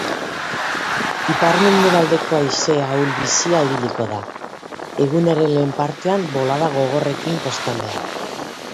Ipar-mendebaldeko haize ahul-bizia ibiliko da, egunaren lehen partean bolada gogorrekin kostaldean.